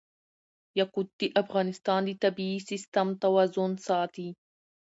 یاقوت د افغانستان د طبعي سیسټم توازن ساتي.